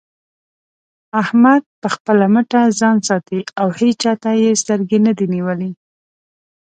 احمد په خپله مټه ځان ساتي او هيچا ته يې سترګې نه دې نيولې.